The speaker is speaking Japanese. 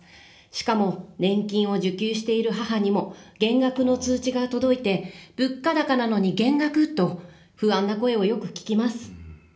しかも、年金を受給している母にも減額の通知が届いて、物価高なのに減額と不安な声をよく聞きます。